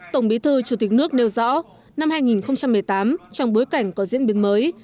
tổng bí thư chủ tịch nước nêu rõ năm hai nghìn một mươi tám trong bối cảnh có diễn biến mới